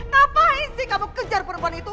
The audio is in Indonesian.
ngapain sih kamu kejar perempuan itu